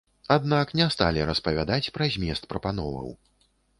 Аднак не сталі распавядаць пра змест прапановаў.